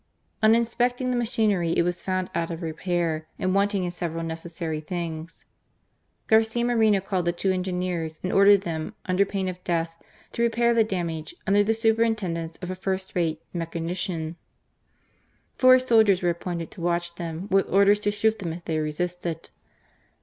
On inspecting the machinery it was found out of repair, and wanting in several necessary things. Garcia Moreno called the two engineers and ordered them, under pain of death, to repair the damage under the superintend ance of a first rate mechanician. Four soldiers were appointed to watch them, with orders to shoot them if they resisted.